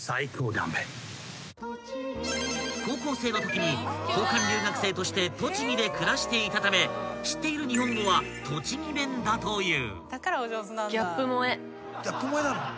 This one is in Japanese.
［高校生のときに交換留学生として栃木で暮らしていたため知っている日本語は栃木弁だという］